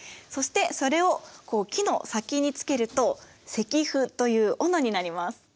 そしてそれをこう木の先につけると石斧というおのになります。